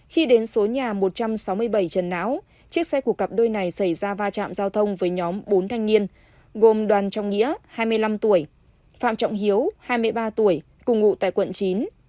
khi đến số nhà một trăm sáu mươi bảy trần não chiếc xe của cặp đôi này xảy ra va chạm giao thông với nhóm bốn thanh niên gồm đoàn trọng nghĩa hai mươi năm tuổi phạm trọng hiếu hai mươi ba tuổi cùng ngụ tại quận chín